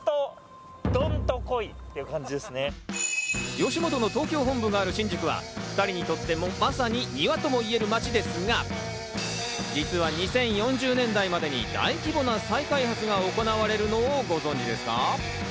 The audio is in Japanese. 吉本の東京本部がある新宿は２人にとってもまさに庭ともいえる街ですが、実は２０４０年代までに大規模な再開発が行われるのをご存じですか？